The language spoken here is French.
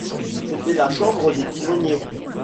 C’était la chambre des timoniers.